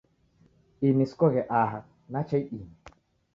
Ini sikoghe aha nacha idime